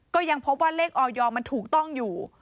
ก็ยังพบว่าเลขออยมันถูกต้องอยู่